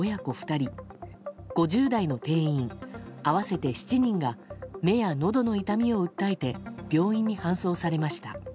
２人５０代の店員合わせて７人が目やのどの痛みを訴えて病院に搬送されました。